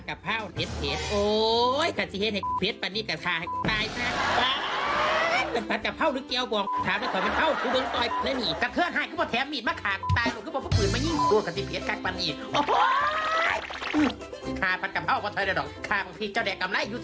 แค่ทิเบตไปนี่นะลูกกลับมาอยู่เราเดินให้ด้วย